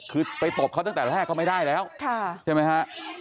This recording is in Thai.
คือไปตบเขาตั้งแต่แรกก็ไม่ได้แล้วใช่ไหมฮะ